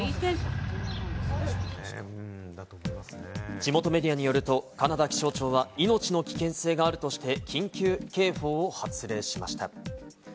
地元メディアによると、カナダの気象庁は命の危険性があるとして緊急警報を発令しました。